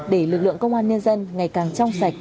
để lực lượng công an nhân dân ngày càng trong sạch